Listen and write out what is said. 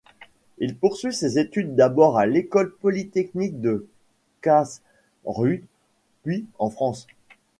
Il poursuit ses études d'abord à l'École polytechnique de Karsruhe puis en France.